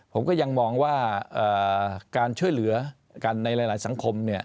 ผมก็ยังมองว่าการช่วยเหลือกันในหลายสังคม